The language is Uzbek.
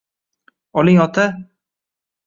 – Oling, ota!